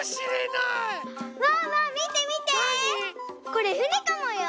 これふねかもよ？